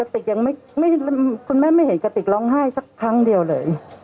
ติกยังไม่คุณแม่ไม่เห็นกระติกร้องไห้สักครั้งเดียวเลย